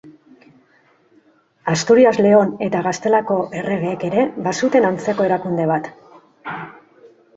Asturias-Leon eta Gaztelako erregeek ere bazuten antzeko erakunde bat.